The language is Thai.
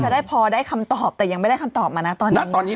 ได้พอได้คำตอบแต่ยังไม่ได้คำตอบมานะตอนนี้